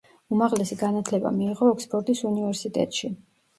უმაღლესი განათლება მიიღო ოქსფორდის უნივერსიტეტში.